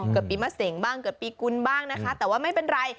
เกิดปีมะเสงบ้างเกิดปีกุลบ้างนะคะแต่ว่าไม่เป็นไร